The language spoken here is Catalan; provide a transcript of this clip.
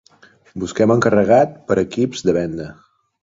Busquem encarregat per a equips de venda.